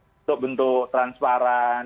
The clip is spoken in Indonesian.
untuk bentuk transparan